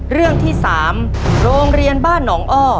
เรื่องที่๓โรงเรียนบ้านหนองอ้อ